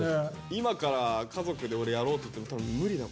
今から家族で俺やろうって言っても多分無理だもん。